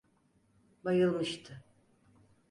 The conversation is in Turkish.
Bayılmıştı…